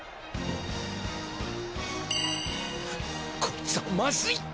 こいつはまずい！